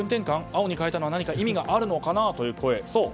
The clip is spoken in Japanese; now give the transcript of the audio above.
青に変えたのは何か意味があるのかなという声。